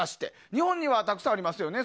日本にはたくさんありますよね。